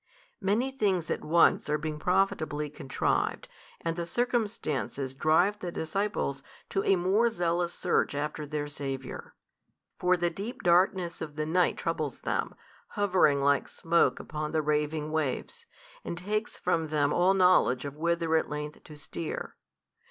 Many things at once are being profitably contrived, and the circumstances drive the disciples to a more zealous search after the Saviour. For the deep darkness of the night troubles them, hovering like smoke upon the raving waves, and takes from them all knowledge of whither at length to steer.